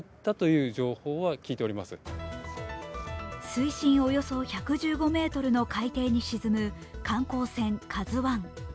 水深およそ１１５ｍの海底に沈む観光船